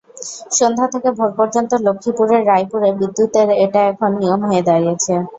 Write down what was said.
সন্ধ্যা থেকে ভোর পর্যন্ত লক্ষ্মীপুরের রায়পুরে বিদ্যুতের এটা এখন নিয়ম হয়ে দাঁড়িয়েছে।